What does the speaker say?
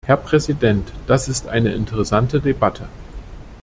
Herr Präsident, das ist eine interessante Debatte.